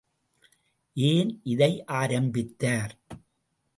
ஏன் இதை ஆரம்பித்தார்?